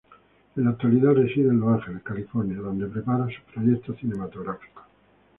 En la actualidad reside en Los Ángeles, California; donde prepara sus proyectos cinematográficos.